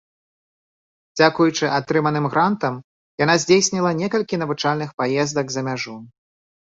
Дзякуючы атрыманым грантам яна здзейсніла некалькі навучальных паездак за мяжу.